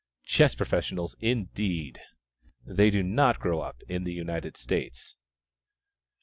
Chess professionals, indeed! they do not grow in the United States.